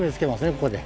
ここで。